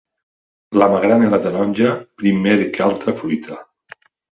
La magrana i la taronja primer que altra fruita.